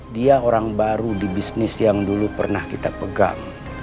dia orang baru di bisnis yang dulu pernah kita pegang